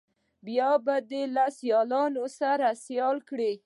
بیا به دې له سیالانو سره سیال کړي.